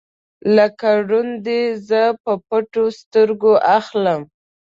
لکه ړوند یې زه په پټو سترګو اخلم